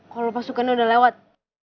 kalau pasukannya sudah lewat